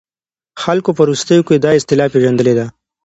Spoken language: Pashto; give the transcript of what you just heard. خلګو په وروستيو کې دا اصطلاح پېژندلې ده.